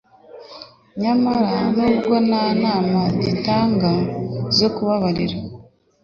nyamara n’ubwo nta nama gitanga zo kubabarira